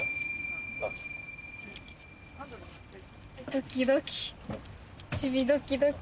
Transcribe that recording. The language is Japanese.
ドキドキチビドキドキ。